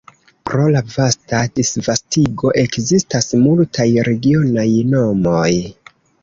Pro la vasta disvastigo ekzistas multaj regionaj nomoj.